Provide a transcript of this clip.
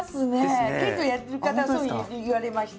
剣道やってる方はそう言われました。